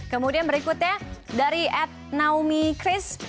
kemudian berikutnya dari at naomi chris